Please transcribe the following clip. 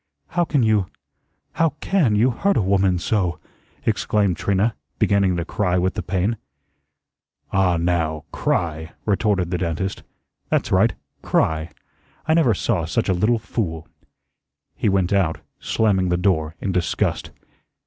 "How can you how CAN you hurt a woman so!" exclaimed Trina, beginning to cry with the pain. "Ah, now, CRY," retorted the dentist. "That's right, CRY. I never saw such a little fool." He went out, slamming the door in disgust.